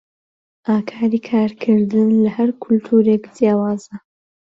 ئاکاری کارکردن لە هەر کولتوورێک جیاوازە.